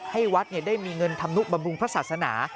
ให้วัดเนี่ยได้มีเงินทำนุขบำรุงพระศาสนา